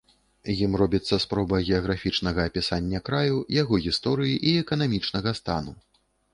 Ім робіцца спроба геаграфічнага апісання краю, яго гісторыі і эканамічнага стану.